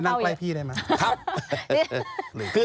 ผมไม่นั่งใกล้พี่ได้มั้ง